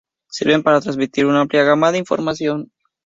Sirven para transmitir una amplia gama de información.